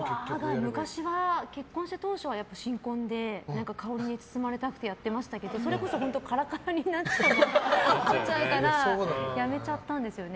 結婚した当初は、新婚で香りに包まれたくてやってましたけどそれこそ本当にカラカラになっちゃうからやめちゃったんですよね。